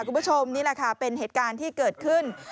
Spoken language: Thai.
คุณผู้ชมนี่แหละค่ะเป็นเหตุการณ์ที่เกิดขึ้น